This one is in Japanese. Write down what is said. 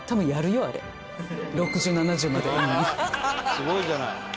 「すごいじゃない！」